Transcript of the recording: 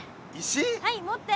はい持って。